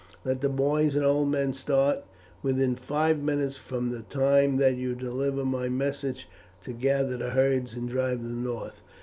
Let the boys and old men start within five minutes from the time that you deliver my message, to gather the herds and drive them north.